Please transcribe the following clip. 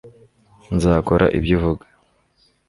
nzakora ibyo uvuga